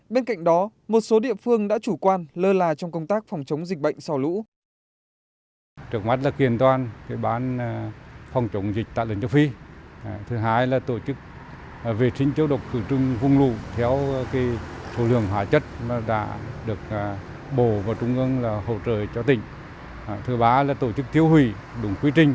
bên cạnh đó một số địa phương đã chủ quan lơ là trong công tác phòng chống dịch bệnh sau lũ